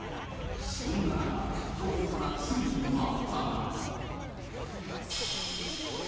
そんな中、当局からついに待ったが。